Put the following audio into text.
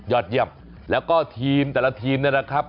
โยชยับแล้วก็ทีมแต่ละทีมนั้นล่ะครับ